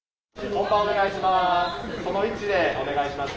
・本番お願いします。